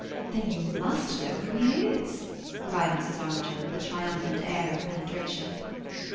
"Then you MUST know who he is," cried Mrs. Armiger, with a triumphant air of penetration.